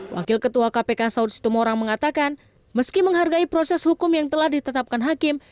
wakil ketua kpk saud situmorang mengatakan meski menghargai proses hukum yang telah ditetapkan hakim